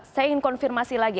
saya ingin konfirmasi lagi